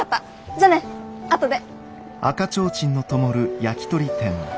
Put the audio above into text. じゃあねあとで。